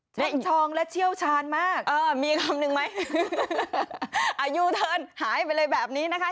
ชั่งทองและเชี่ยวชาญมากเออมีอีกคำหนึ่งไหมอ่าหายไปเลยแบบนี้นะคะ